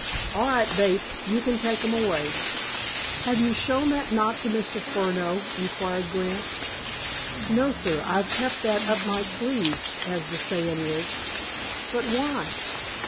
All right, Bates. You can take 'em away." "Have you shown that knot to Mr. Furneaux?" inquired Grant. "No, sir. I've kept that up me sleeve, as the sayin' is." "But why?"